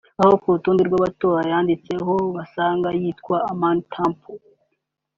aho ku rutonde rw’abatora yanditseho basanze yitwa Amin Tampo